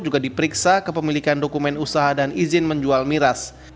juga diperiksa kepemilikan dokumen usaha dan izin menjual miras